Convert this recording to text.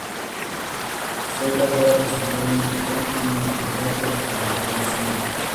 Fue tratado posteriormente con quimioterapia durante varias semanas.